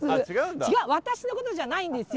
違う私のことじゃないんですよ。